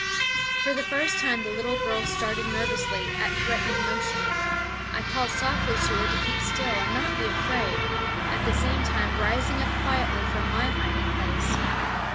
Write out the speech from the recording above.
For the first time the little girl started nervously at threatening motion, I called softly to her to keep still and not be afraid, at the same time rising up quietly from my hiding place.